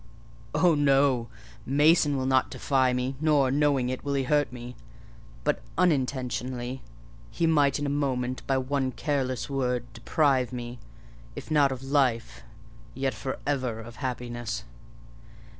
"Oh, no! Mason will not defy me; nor, knowing it, will he hurt me—but, unintentionally, he might in a moment, by one careless word, deprive me, if not of life, yet for ever of happiness."